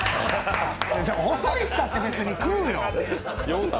細いったって別に食うよ！